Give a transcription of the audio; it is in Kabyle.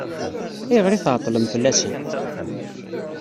Ayɣer i tɛeṭṭlem fell-asen?